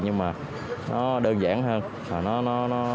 nhưng mà nó đơn giản hơn